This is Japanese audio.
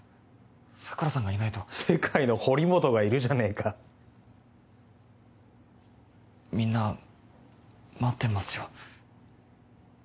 桜さんがいないと世界の堀本がいるじゃねえかみんな待ってますよ